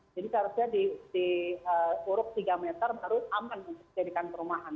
jadi seharusnya diuruk tiga meter baru aman untuk dijadikan perumahan